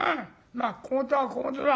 まあ小言は小言だ。